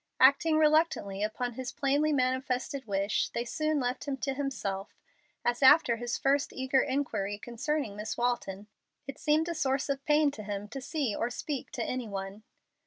Acting reluctantly upon his plainly manifested wish, they soon left him to himself, as after his first eager inquiry concerning Miss Walton it seemed a source of pain to him to see or speak to any one.